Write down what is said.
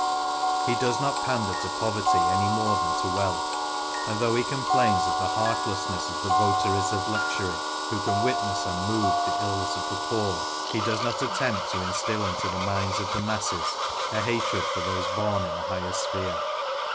He does not pander to poverty any more than to wealth ; and though he complains of the heartlessness of the votaries of luxury who can witness unmoved the ills of the poor, he does not attempt to instil into the minds of the masses a hatred for those bom in a higher sphere.